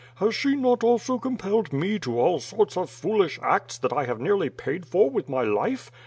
Has she not also compelled me to all sorts of foolish acts that I have nearly paid for with my life.